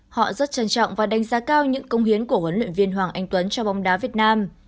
họ rất trân trọng và đánh giá cao những công hiến của huấn luyện viên hoàng anh tuấn cho bóng đá việt nam